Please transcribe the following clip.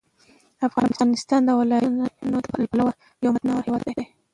افغانستان د ولایتونو له پلوه یو متنوع هېواد دی.